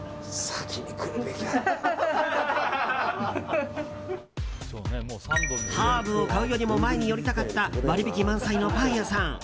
ハーブを買うよりも前に寄りたかった割引満載のパン屋さん。